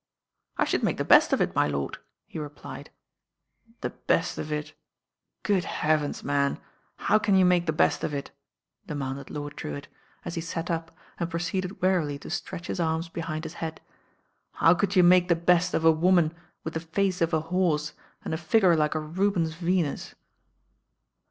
"I should make the best of it, my lord," he re plied. , "The best of it! Goo.d heavens, man I how can you make the best of it?" demanded Lord Drewitt, as he sat up and proceeded wearily to stretch his arms behind his head. "How could you make the ■ w«t of a uoman with the face of a horse and a fig ure like a Rubens Venus?"